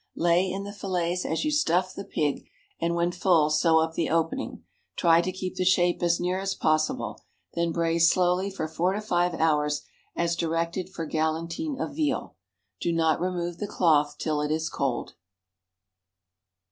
Lay in the fillets as you stuff the pig, and when full sew up the opening. Try to keep the shape as near as possible. Then braise slowly for four to five hours, as directed for galantine of veal. Do not remove the cloth till it is cold.